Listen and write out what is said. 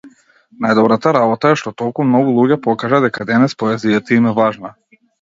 Најдобрата работа е што толку многу луѓе покажа дека денес поезијата им е важна.